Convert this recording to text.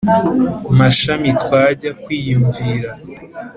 mashami twajya kwiyumvira